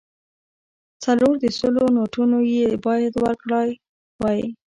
څلور د سلو نوټونه یې باید ورکړای وای.